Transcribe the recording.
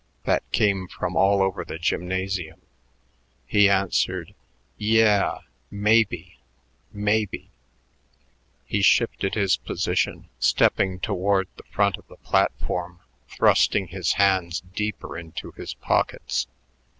that came from all over the gymnasium, he answered, "Yeah, maybe maybe." He shifted his position, stepping toward the front of the platform, thrusting his hands deeper into his pockets.